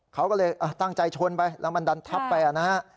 เขาก็เลยตั้งใจชนไปแล้วมันดันทับไปนะฮะ